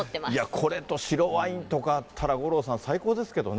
これと白ワインとかあったら五郎さん、最高ですけどね。